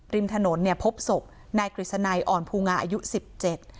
ริมถนนเนี่ยพบศพนายกฤษณัยอ่อนภูงาอายุสิบเจ็ด